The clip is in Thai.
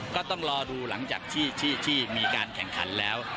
ก็ต้องรอดูหลังจากที่มีการแข่งขันแล้ว